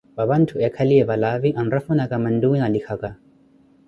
papantthu eekhaliye valaavi anrafunaka manthuwi na likhaka.